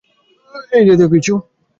এই জাতীয় কিছু?